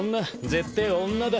絶対女だ。